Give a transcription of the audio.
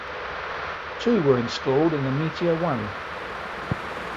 Two were installed in a Meteor I.